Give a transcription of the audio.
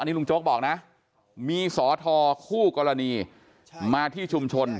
นี่ลุงโจ๊กบอกนะมีสอทอคู่กรณีมาที่ชุมชน